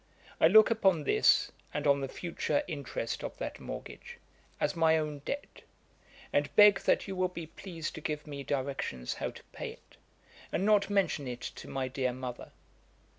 I look upon this, and on the future interest of that mortgage, as my own debt; and beg that you will be pleased to give me directions how to pay it, and not mention it to my dear mother.